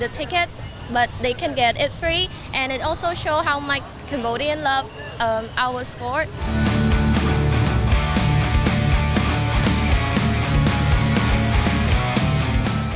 dan itu juga menunjukkan bagaimana kamboja menyukai sport kita